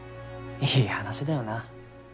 いい話だよな。